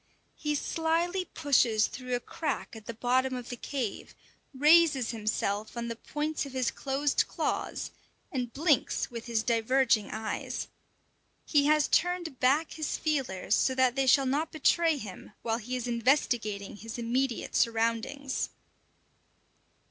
He slyly pushes through a crack at the bottom of the cave, raises himself on the points of his closed claws, and blinks with his diverging eyes. He has turned back his feelers so that they shall not betray him while he is investigating his immediate surroundings.